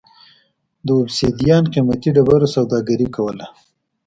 د اوبسیدیان قېمتي ډبرو سوداګري کوله.